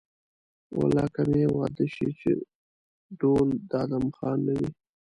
والله که مې واده شي چې ډول د ادم خان نه وي.